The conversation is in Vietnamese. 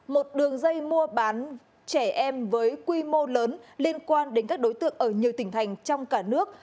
một đường dây mua bán trẻ em với quy mô lớn liên quan đến các đối tượng ở nhiều tỉnh thành trong cả nước